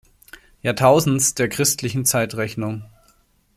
Jahrtausends der christlichen Zeitrechnung.